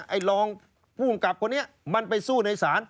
ไอโรงกรุงกรับคนนี้มันไปสู้ในศาล